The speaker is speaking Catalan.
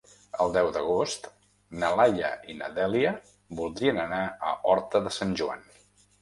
El deu d'agost na Laia i na Dèlia voldrien anar a Horta de Sant Joan.